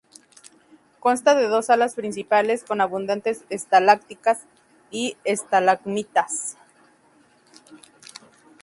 Consta de dos salas principales con abundantes estalactitas y estalagmitas.